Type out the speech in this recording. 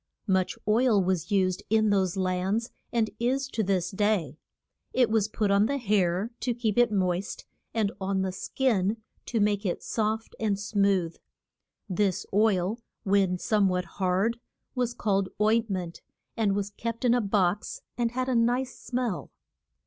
Much oil was used in those lands, and is to this day. It was put on the hair to keep it moist, and on the skin to make it soft and smooth. This oil, when some what hard, was called oint ment, and was kept in a box, and had a nice smell.